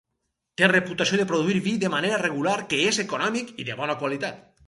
Té reputació de produir vi de manera regular que és econòmic i de bona qualitat.